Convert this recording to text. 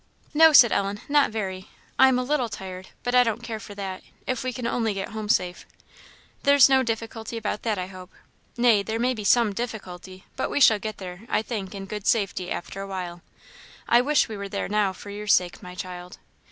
"No," said Ellen, "not very; I am a little tired; but I don't care for that, if we can only get home safe." "There's no difficulty about that, I hope. Nay, there may be some difficulty, but we shall get there, I think, in good safety after a while. I wish we were there now, for your sake, my child."